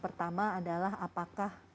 pertama adalah apakah